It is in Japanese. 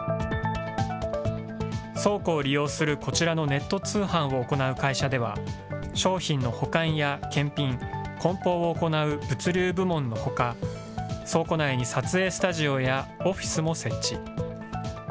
倉庫を利用するこちらのネット通販を行う会社では、商品の保管や検品、こん包を行う物流部門のほか、倉庫内に撮影スタジオやオフィスも設置。